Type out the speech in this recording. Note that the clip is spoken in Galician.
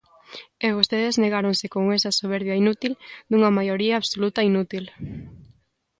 E vostedes negáronse con esa soberbia inútil dunha maioría absoluta inútil.